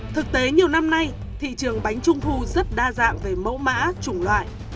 thực tế nhiều năm nay thị trường bánh trung thu rất đa dạng về mẫu mã chủng loại